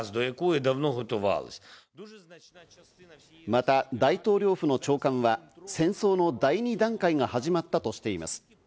また大統領府の長官は戦争の第２段階が始まったとしています。